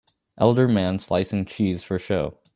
Elder man slicing cheese for show